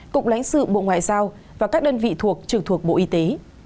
cục lãnh sự bộ ngoại giao và các đơn vị thuộc trực thuộc bộ y tế